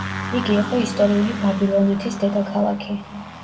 იგი იყო ისტორიული ბაბილონეთის დედაქალაქი.